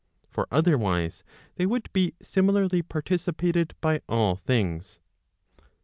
For otherwise, they would be similarly participated by all things.